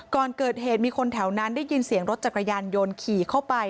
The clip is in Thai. ก่อนเกิดเหตุมีคนแถวนั้นได้ยินเสียงรถจักรยานยนต์ขี่เข้าไป